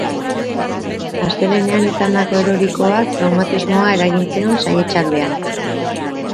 Astelehenean izandako erorikoak traumatismoa eragin zion saihetsaldean.